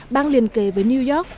bang liền kề với new york